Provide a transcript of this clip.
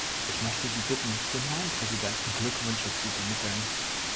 Ich möchte Sie bitten, dem neuen Präsidenten Glückwünsche zu übermitteln.